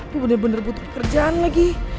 gue bener bener butuh pekerjaan lagi